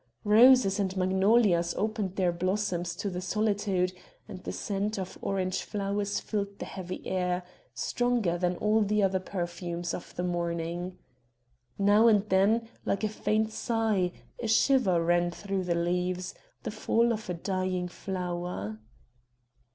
Roses and magnolias opened their blossoms to the solitude, and the scent of orange flowers filled the heavy air, stronger than all the other perfumes of the morning. Now and then, like a faint sigh, a shiver ran through the leaves the fall of a dying flower.